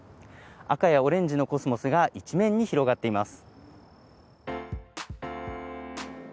赤やオレンジのコスモスが一面に広がっています。